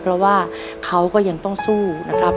เพราะว่าเขาก็ยังต้องสู้นะครับ